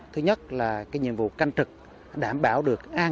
thứ nhất là nhiệm vụ canh trực đảm bảo được an toàn